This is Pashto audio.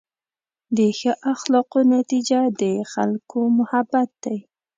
د ښه اخلاقو نتیجه د خلکو محبت دی.